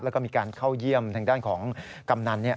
แล้วก็มีการเข้าเยี่ยมทางด้านของกำนันเนี่ย